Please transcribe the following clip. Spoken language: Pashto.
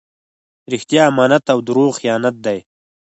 رښتیا امانت او درواغ خیانت دئ.